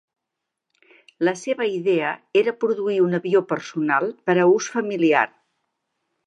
La seva idea era produir un avió personal per a ús familiar.